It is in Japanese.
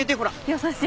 優しい。